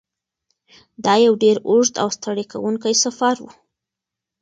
دا یو ډېر اوږد او ستړی کوونکی سفر و.